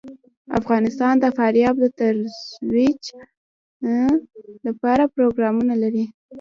افغانستان د فاریاب د ترویج لپاره پروګرامونه لري.